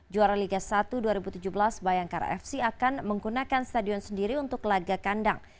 juara liga satu dua ribu tujuh belas bayangkara fc akan menggunakan stadion sendiri untuk laga kandang